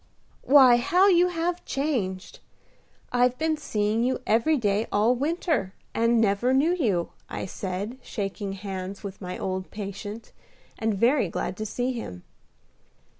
"Why, how you have changed! I've been seeing you every day all winter, and never knew you," I said, shaking hands with my old patient, and very glad to see him.